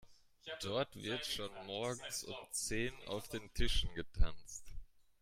Dort wird schon morgens um zehn auf den Tischen getanzt.